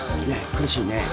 苦しいね。